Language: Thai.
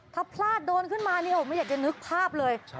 ถ้าพลาดโดนขึ้นมาไม่อยากจะนึกภาพเลย